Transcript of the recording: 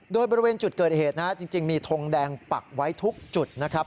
โดยบริเวณจุดเกิดเหตุนะฮะจริงมีทงแดงปักไว้ทุกจุดนะครับ